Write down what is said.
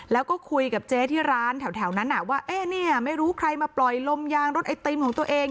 แล้วก็คุยกับเจ๊ที่ร้านแถวนั้นว่าเอ๊ะเนี่ยไม่รู้ใครมาปล่อยลมยางรถไอติมของตัวเอง